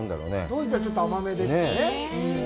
ドイツはちょっと甘めですよね。